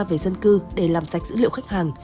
về dân cư để làm sạch dữ liệu khách hàng